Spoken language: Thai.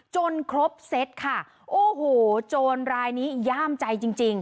จนครบเซตค่ะโอ้โหโจรรายนี้ย่ามใจจริงจริง